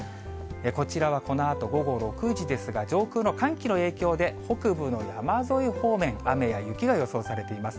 こちらはこのあと午後６時ですが、上空の寒気の影響で、北部の山沿い方面、雨や雪が予想されています。